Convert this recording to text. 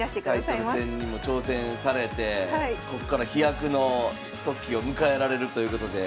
タイトル戦にも挑戦されてこっから飛躍の時を迎えられるということで。